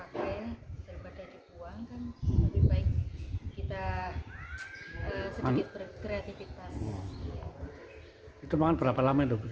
jalan sudah tidak terpakai daripada dibuang kan lebih baik kita sedikit berkreativitas